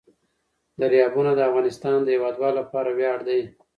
دریابونه د افغانستان د هیوادوالو لپاره ویاړ دی.